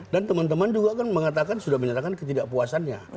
dan teman teman juga kan mengatakan sudah menyatakan ketidakpuasannya